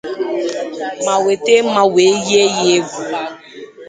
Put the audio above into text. ma weta mmà wee yie ya égwù